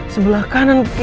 sebelah kiri beneran